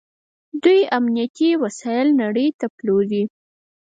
دوی امنیتي وسایل نړۍ ته پلوري.